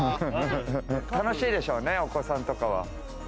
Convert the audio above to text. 楽しいでしょうね、お子さんとかは。